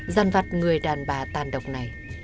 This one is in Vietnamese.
giàn vặt người đàn bà tàn độc này